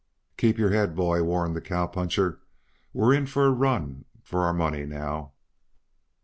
"Keep your head, boy," warned the cowpuncher. "We are in for a run for our money, now."